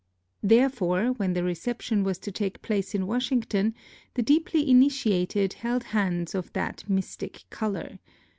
Therefore, when the reception was to take place in Washington the deeply initiated held hands of that mystic color.